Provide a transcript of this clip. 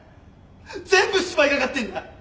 全部芝居がかってんだ！